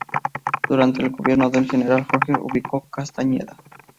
Durante el gobierno del general Jorge Ubico Castañeda.